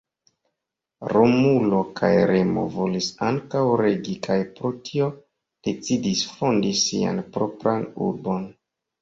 Romulo kaj Remo volis ankaŭ regi kaj pro tio decidis fondi sian propran urbon.